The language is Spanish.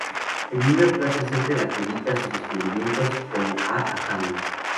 El Minor Planet Center acredita sus descubrimientos como A. Asami.